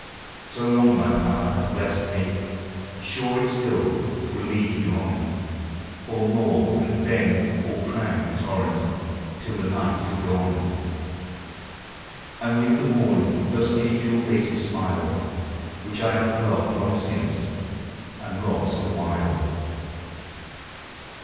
So long thy power hath blessed me, sure it still Will lead me on; O'er moor and fen, o'er crag and torrent, till The night is gone; And with the morn those angel faces smile Which I have loved long since, and lost awhile.